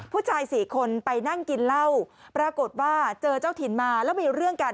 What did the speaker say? ผู้ชายสี่คนไปนั่งกินเหล้าปรากฏว่าเจอเจ้าถิ่นมาแล้วมีเรื่องกัน